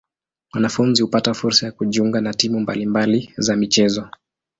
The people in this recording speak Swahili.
Wanafunzi hupata fursa ya kujiunga na timu mbali mbali za michezo.